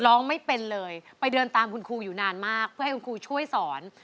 ร้องไม่เป็นเลยไปเดินตามคุณครูอยู่นานมากเพื่อให้คุณครูช่วยสอน